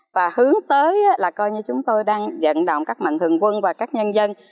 và hướng tới là coi như chúng tôi đang dẫn động các mạnh thường quân và các nhân dân